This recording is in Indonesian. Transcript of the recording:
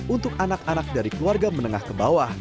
untuk anak anak dari keluarga menengah ke bawah